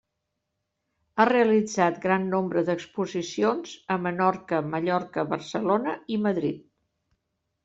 Ha realitzat gran nombre d'exposicions, a Menorca, Mallorca, Barcelona i Madrid.